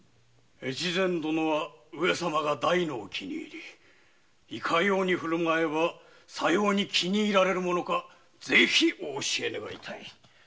大岡殿は上様が大の気に入りいかように振る舞えばさように気に入られるものかぜひお教え願いたい